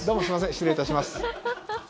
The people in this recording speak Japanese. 失礼いたします。